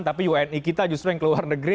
tapi wni kita justru yang ke luar negeri